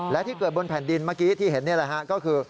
และที่เกิดบนแผ่นดินเมื่อกี้ที่เห็นนี่แหละฮะก็คือ